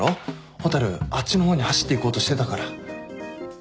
蛍あっちの方に走っていこうとしてたから。